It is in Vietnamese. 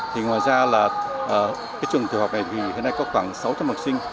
thì ngoài ra là cái trường thiểu học này thì hiện nay có khoảng sáu trăm linh học sinh